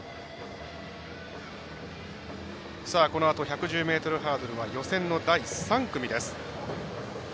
このあと１１０ｍハードルは予選の第３組です。